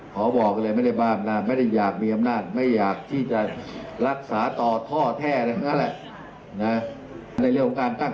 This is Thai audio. ขอบใจยัง